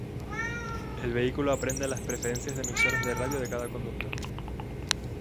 El vehículo aprende las preferencias de emisoras de radio de cada conductor.